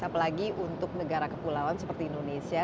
apalagi untuk negara kepulauan seperti indonesia